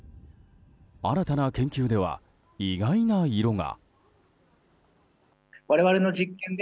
新たな研究では意外な色が。